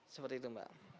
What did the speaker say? seperti itu mbak